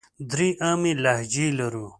درې عامې لهجې لرو.